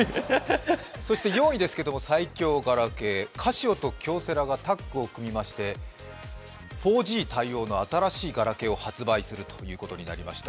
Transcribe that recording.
そして４位ですが、最強ガラケーカシオと京セラがタッグを組み、４Ｇ対応の新しいガラケーを発売することになりました。